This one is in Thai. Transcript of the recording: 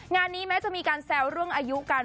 งานนี้แม้จะมีการแซวเรื่องอายุกัน